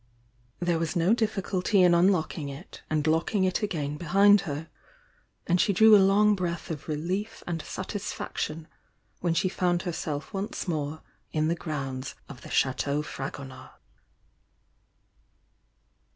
There was no difficulty in unlocking it and locking it again behind her, and she drew a long breath of relief and satisfaction when she found herself once more in the grounds of the Chateau Frago nard.